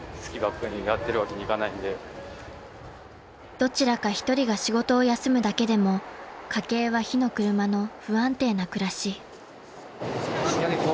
［どちらか１人が仕事を休むだけでも家計は火の車の不安定な暮らし］